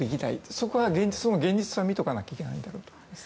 そこは現実は見ておかないといけないと思います。